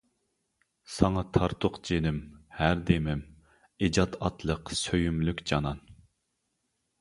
ساڭا تارتۇق جېنىم، ھەر دېمىم، ئىجاد ئاتلىق سۆيۈملۈك جانان!